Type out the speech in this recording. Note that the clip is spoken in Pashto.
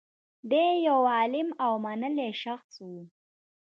دی یو عالم او منلی شخص و